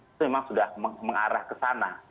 itu memang sudah mengarah ke sana